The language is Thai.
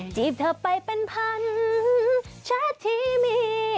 จีบเธอไปเป็นพันชาติที่มี